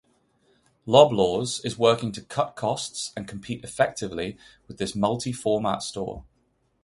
Loblaws is working to cut costs and compete effectively with this multi-format store.